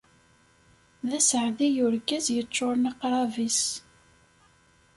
D aseɛdi urgaz yeččuren aqrab-is!